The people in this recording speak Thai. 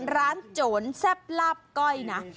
ร้านโจรแซ่บลาบก้อยนะ